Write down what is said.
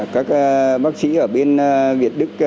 các bác sĩ ở bên việt đức